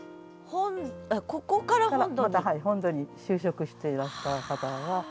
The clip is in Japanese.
本土に就職していらした方で。